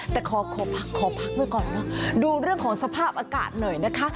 แต่ขอขอพักขอพักไว้ก่อนเนอะดูเรื่องของสภาพอากาศหน่อยนะคะ